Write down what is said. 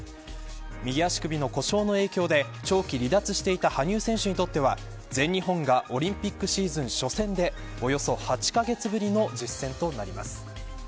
右足首の故障の影響で長期離脱していた羽生選手にとっては全日本がオリンピックシーズン初戦でおよそ８カ月ぶりの実戦となります。